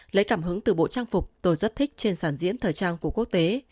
lấy cảm hứng từ bộ trang phục tôi rất thích trên sản diễn thời trang của quốc tế